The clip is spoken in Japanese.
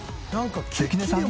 関根さん